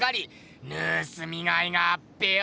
ぬすみがいがあっぺよ。